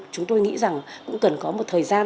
chúng tôi nghĩ rằng cũng cần có một thời gian